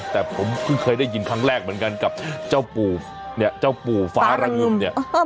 แต่ผมเพิ่งเคยได้ยินครั้งแรกเหมือนกันกับเจ้าปู่ฟ้าระงึม